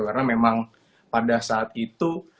karena memang pada saat itu